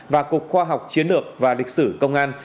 và cục khoa học chiến lược và lịch sử công an